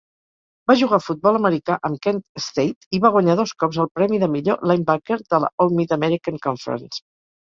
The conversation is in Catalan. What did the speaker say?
Va jugar a futbol americà amb Kent State, i va guanyar dos cops el premi de millor "linebacker" de la All-Mid-American Conference.